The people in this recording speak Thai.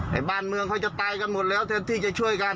บ้านเมืองเขาจะตายกันหมดแล้วแทนที่จะช่วยกัน